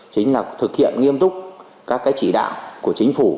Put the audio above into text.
chính là thực hiện nghiêm túc các chỉ đạo của chính phủ